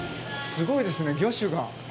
すごいですね、魚種が。